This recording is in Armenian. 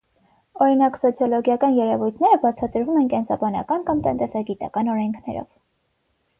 Օրինակ՝ սոցիոլոգիական երևույթները բացատրվում են կենսաբանական կամ տնտեսագիտական օրենքներով։